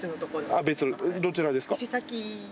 どちらですか？